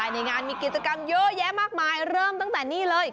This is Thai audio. ในงานมีกิจกรรมเยอะแยะมากมายเริ่มตั้งแต่นี่เลย